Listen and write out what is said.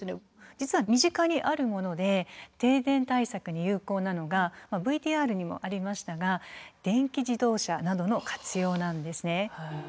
実は身近にあるもので停電対策に有効なのがＶＴＲにもありましたが電気自動車などの活用なんですね。